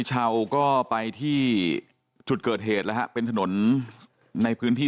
ชาวก็ไปที่จุดเกิดเหตุแล้วฮะเป็นถนนในพื้นที่